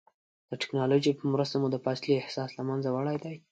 د ټکنالوجۍ په مرسته مو د فاصلې احساس له منځه وړی دی.